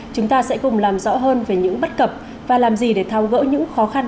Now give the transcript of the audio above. chúng ta sẽ cùng làm rõ hơn về những bất cập và làm gì để thao gỡ những khó khăn